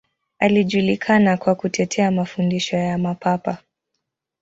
Alijulikana kwa kutetea mafundisho ya Mapapa.